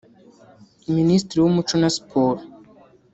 Minisitiri w’umuco na Siporo